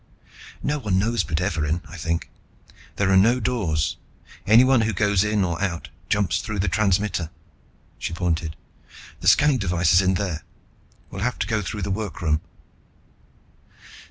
"No one knows but Evarin, I think. There are no doors. Anyone who goes in or out, jumps through the transmitter." She pointed. "The scanning device is in there, we'll have to go through the workroom."